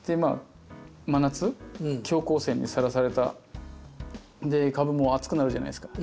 真夏強光線にさらされた株も熱くなるじゃないですか。